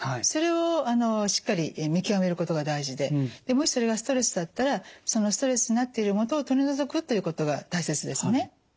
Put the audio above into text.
それをしっかり見極めることが大事でもしそれがストレスだったらそのストレスになっている元を取り除くということが大切ですね。